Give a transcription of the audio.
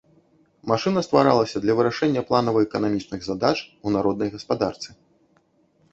Машына стваралася для вырашэння планава-эканамічных задач у народнай гаспадарцы.